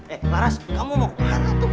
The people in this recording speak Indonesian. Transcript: eh laras kamu mau kemana tuh